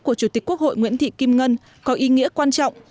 của chủ tịch quốc hội nguyễn thị kim ngân có ý nghĩa quan trọng